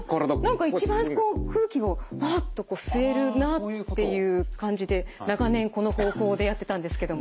いや何か一番こう空気をハッとこう吸えるなっていう感じで長年この方法でやってたんですけども。